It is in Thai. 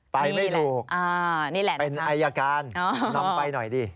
ไปไม่ถูกเป็นอายการนำไปหน่อยดินี่แหละ